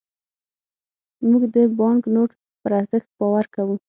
موږ د بانکنوټ پر ارزښت باور کوو.